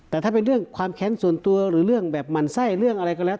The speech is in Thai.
แต่ถ้าเป็นเรื่องความแค้นส่วนตัวหรือเรื่องแบบหมั่นไส้เรื่องอะไรก็แล้ว